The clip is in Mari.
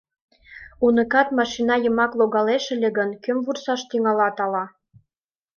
— Уныкат машина йымак логалеш ыле гын, кӧм вурсаш тӱҥалат ала.